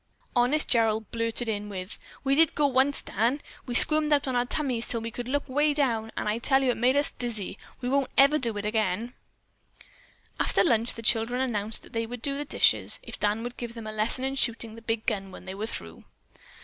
Honest Gerald blurted in with, "We did go once, Dan. We squirmed out on our tummies till we could look 'way down, and I tell you it made us dizzy. We won't ever want to do it again." After lunch the children announced that they would do up the dishes if Dan would give them a lesson in shooting the big gun when they were through.